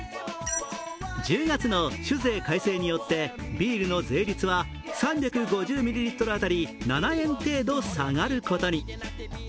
１０月の酒税改正によってビールの税率は３５０ミリリットル当たり７円程度下がることに。